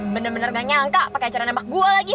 bener bener gak nyangka pakai acara nembak gue lagi